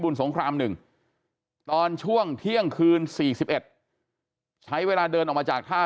สงคราม๑ตอนช่วงเที่ยงคืน๔๑ใช้เวลาเดินออกมาจากท่า